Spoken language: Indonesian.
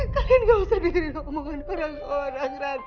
kalian gak usah diri ngomong sama orang orang rati